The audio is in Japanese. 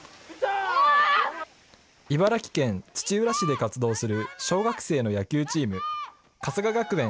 茨城県土浦市で活動する小学生の野球チーム、春日学園